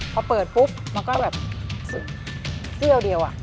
พอเปิดปุ๊บมันก็แบบซื้อเอาเดียวอะ